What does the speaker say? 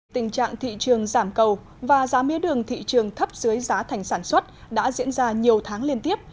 tình trạng thị trường giảm cầu và giá mía đường thị trường thấp dưới giá thành sản xuất đã diễn ra nhiều tháng liên tiếp